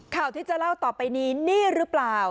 ข่าวที่จะเล่าต่อไปนี้นี่หรือเปล่า